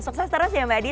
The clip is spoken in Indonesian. sukses terus ya mbadi